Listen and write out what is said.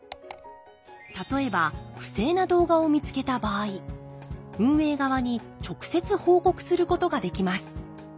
例えば不正な動画を見つけた場合運営側に直接報告することができます。